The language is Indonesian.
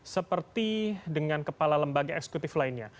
seperti dengan kepala lembaga eksekutif lainnya